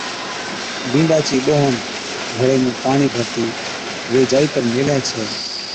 بِينڏا چِي ٻوھڻ گھَڙي مُون پاڻِي ڀرتِي وي جائِي پر ميلهي ڇَي